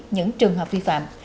những trường hợp vi phạm